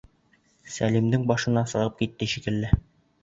Сәлимдең башына сығып китте шикелле.